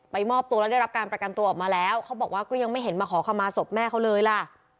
มอบตัวแล้วได้รับการประกันตัวออกมาแล้วเขาบอกว่าก็ยังไม่เห็นมาขอคำมาศพแม่เขาเลยล่ะ